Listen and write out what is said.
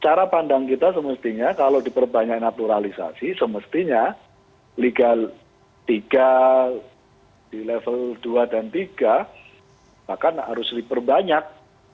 cara pandang kita semestinya kalau diperbanyak naturalisasi semestinya liga tiga di level dua dan tiga bahkan harus diperbanyak